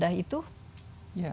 dalam hal ini tujuan ibadah itu